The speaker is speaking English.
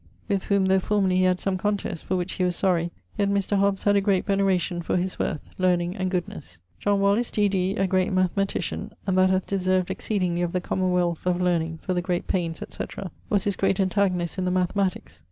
With whom though formerly he had some contest, for which he was sorry, yet Mr. Hobbes had a great veneration for his worth, learning and goodnes. John Wallis, D.D., a great mathematician, and that hath deserved exceedingly of the commonwealth of learning for the great paines etc...., was his great antagonist in the Mathematiques.